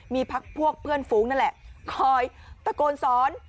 มีพักพวกเพื่อนฟุ้งนั่นแหละคอยตะโกนสอน